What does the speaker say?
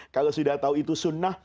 kalau sudah tahu itu sunnah